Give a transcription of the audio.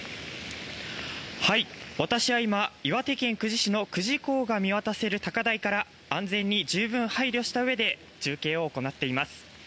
私は今、岩手県久慈市の久慈港が見渡せる高台から安全に十分配慮したうえで中継を行っています。